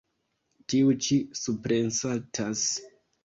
Tiu ĉi suprensaltas.